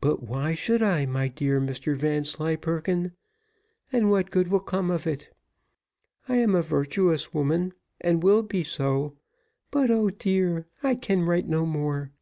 But why should I, my dear Mr Vanslyperken? what good will come of it? I am a virtuous woman, and will be so: but, O dear! I can write no more.